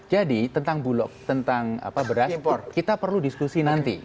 jadi tentang bulog tentang beras kita perlu diskusi nanti